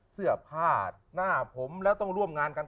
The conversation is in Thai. เสื้อผ้าหน้าผมแล้วต้องร่วมงานกัน